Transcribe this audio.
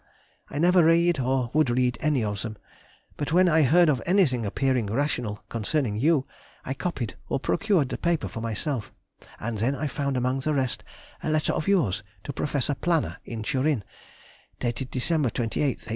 I never read, or would read, any of them, but when I heard of anything appearing rational concerning you, I copied or procured the paper for myself, and then I found among the rest a letter of yours to Professor Plana, in Turin, dated December 28th, 1834.